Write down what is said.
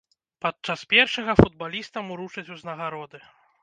Падчас першага футбалістам уручаць узнагароды.